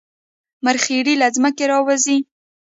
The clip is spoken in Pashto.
مرخیړي له ځمکې راوځي